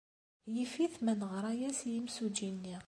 Yif-it ma neɣra-as i yimsujji-nni.